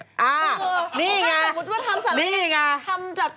อ้าวนี่ไงนี่ไง